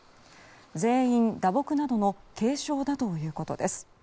全員、打撲などの軽傷だということです。